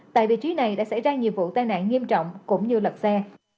tại vị trí này đã xảy ra nhiều vụ tai nạn nghiêm trọng cũng như lật xe